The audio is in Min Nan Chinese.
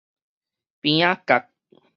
邊仔角